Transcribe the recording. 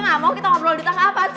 gak mau kita ngobrol di tangga apaan sih